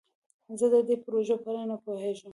زه د دې پروژې په اړه نه پوهیږم.